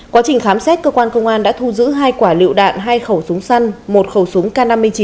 quá trình khám xét cơ quan công an đã thu giữ hai quả lựu đạn hai khẩu súng săn một khẩu súng k năm mươi chín